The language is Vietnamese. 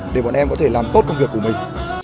để bọn em có thể làm tốt công việc của mình